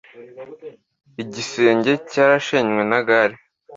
Igisenge cyarashenywe na gale.